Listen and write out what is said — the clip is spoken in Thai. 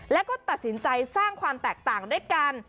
แล้วก็ตัดสินใจสร้างความแตกต่างด้วยกัน